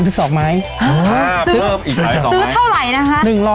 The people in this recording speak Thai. ซื้อเท่าไหร่นะครับ